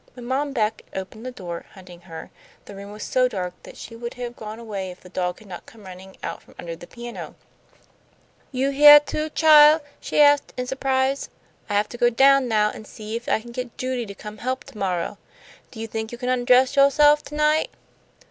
When Mom Beck opened the door, hunting her, the room was so dark that she would have gone away if the dog had not come running out from under the piano. "You heah, too, chile?" she asked, in surprise. "I have to go down now an' see if I can get Judy to come help to morrow. Do you think you can undress yo'self to night?"